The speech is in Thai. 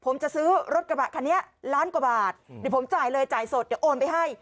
ผมจะซื้อรถกระบะคันนี้ล้านกว่าบาทเดี๋ยวผมจ่ายเลยจ่ายสดเดี๋ยวโอนไปให้